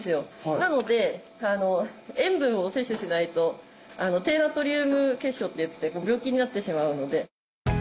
なので塩分を摂取しないと低ナトリウム血症ってやつで病気になってしまうので。